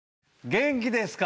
元気ですか？